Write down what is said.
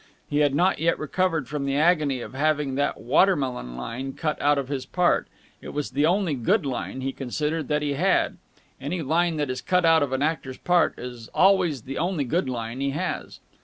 He had not yet recovered from the agony of having that water melon line cut out of his part. It was the only good line, he considered, that he had. Any line that is cut out of an actor's part is always the only good line he has.